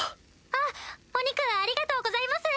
あっお肉ありがとうございます